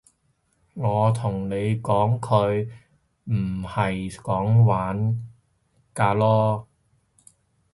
我同咗你講佢唔係講玩㗎囉